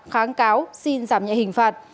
kháng cáo xin giảm nhẹ hình phạt